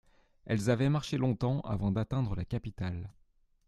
Elles avaient marché longtemps avant d’atteindre la capitale.